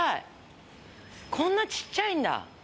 こんなちっちゃいんだ。